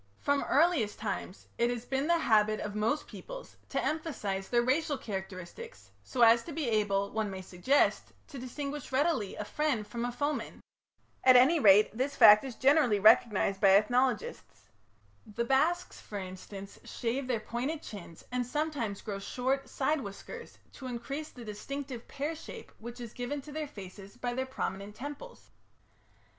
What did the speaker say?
From the earliest times it has been the habit of most peoples to emphasize their racial characteristics so as to be able, one may suggest, to distinguish readily a friend from a foeman. At any rate this fact is generally recognized by ethnologists. The Basques, for instance, shave their pointed chins and sometimes grow short side whiskers to increase the distinctive pear shape which is given to their faces by their prominent temples.